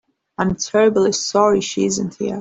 I'm terribly sorry she isn't here.